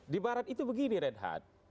di barat itu begini red hat